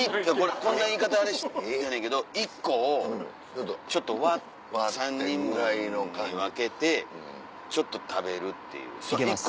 こんな言い方あれやねんけど１個をちょっと３人に分けてちょっと食べるっていう。